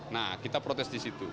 nah kita protes di situ